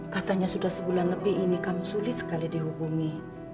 katanya sudah sebulan lebih ini kan sulit sekali dihubungi